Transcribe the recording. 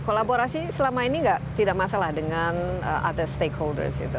kolaborasi selama ini nggak tidak masalah dengan other stakeholders gitu